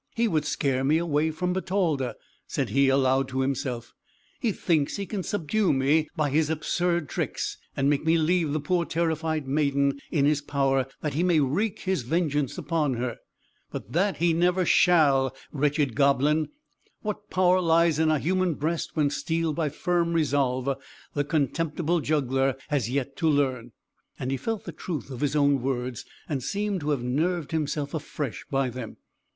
"He would scare me away from Bertalda," said he aloud to himself; "he thinks he can subdue me by his absurd tricks, and make me leave the poor terrified maiden in his power, that he may wreak his vengeance upon her. But that he never shall wretched goblin! What power lies in a human breast when steeled by firm resolve, the contemptible juggler has yet to learn." And he felt the truth of his own words, and seemed to have nerved himself afresh by them.